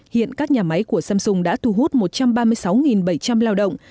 hiện các nhà máy của samsung đã thu hút một trăm ba mươi sáu bảy trăm linh lao động